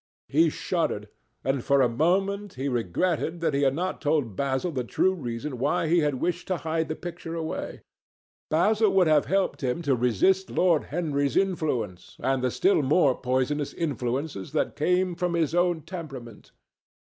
He shuddered, and for a moment he regretted that he had not told Basil the true reason why he had wished to hide the picture away. Basil would have helped him to resist Lord Henry's influence, and the still more poisonous influences that came from his own temperament.